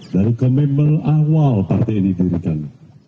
dari komitmen awal partai ini didirikan